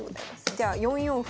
じゃあ４四歩。